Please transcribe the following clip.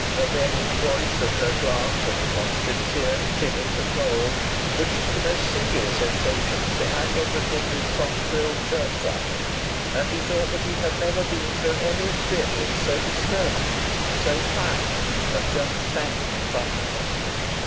Her varying voice and her glance at once sincere, timid and bold, produced the most singular sensations behind Edward Henry's soft frilled shirt front. And he thought that he had never been through any experience so disturbing and so fine as just standing in front of her.